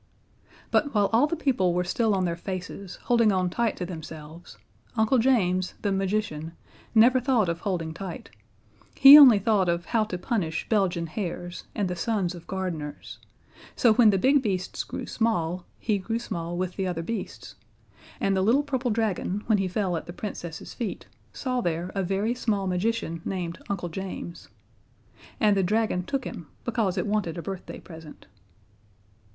But while all the people were still on their faces, holding on tight to themselves, Uncle James, the magician, never thought of holding tight he only thought of how to punish Belgian hares and the sons of gardeners; so when the big beasts grew small, he grew small with the other beasts, and the little purple dragon, when he fell at the Princess's feet, saw there a very small magician named Uncle James. And the dragon took him because it wanted a birthday present.